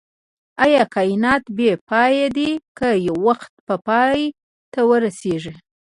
ايا کائنات بی پایه دی که يو وخت به پای ته ورسيږئ